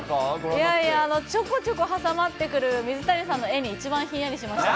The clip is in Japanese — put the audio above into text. いやいや、ちょこちょこ挟まってくる水谷さんの絵に一番ひんやりしました。